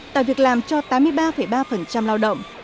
tạo việc làm cho tám mươi ba ba lao động